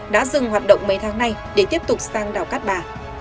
đã dừng hoạt động mấy tháng nay để tiếp tục sang đảo cát bà